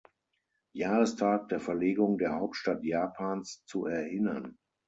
Jahrestag der Verlegung der Hauptstadt Japans zu erinnern.